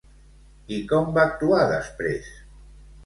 I com va actuar després?